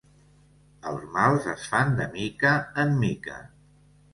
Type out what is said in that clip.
Els mals es fan de mica en mica.